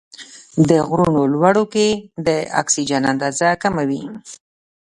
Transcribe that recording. د غرونو لوړو کې د اکسیجن اندازه کمه وي.